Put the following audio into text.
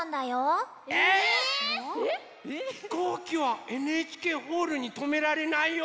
え⁉ひこうきはＮＨＫホールにとめられないよ。